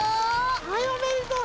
はいおめでとう。